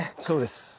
そうです。